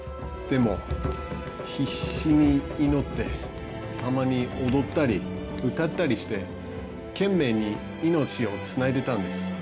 でも必死に祈ってたまに踊ったり歌ったりして懸命に命をつないでたんです。